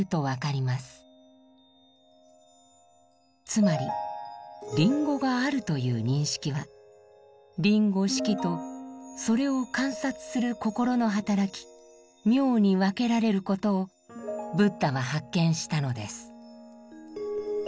つまりリンゴがあるという認識はリンゴ「色」とそれを観察する心の働き「名」に分けられることをブッダは発見したのです。